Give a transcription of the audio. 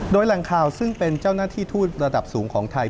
โดยแหล่งข่าวซึ่งเป็นเจ้าหน้าที่ทูตระดับสูงของไทย